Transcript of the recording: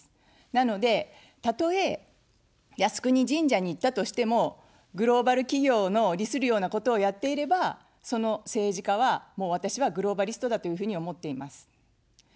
なので、たとえ靖国神社に行ったとしてもグローバル企業の利するようなことをやっていれば、その政治家は、もう私はグローバリストだというふうに思っています。